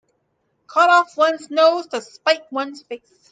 Cut off one's nose to spite one's face.